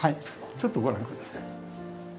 ちょっとご覧ください。